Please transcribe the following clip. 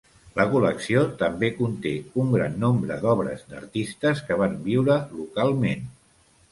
La col·lecció també conté un gran nombre d'obres d'artistes que van viure localment.